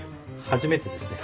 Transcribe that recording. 初めてですね。